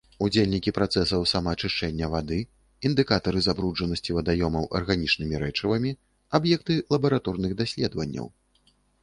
Удзельнікі працэсаў самаачышчэння вады, індыкатары забруджанасці вадаёмаў арганічнымі рэчывамі, аб'екты лабараторных даследаванняў.